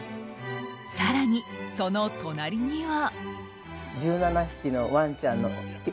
更に、その隣には。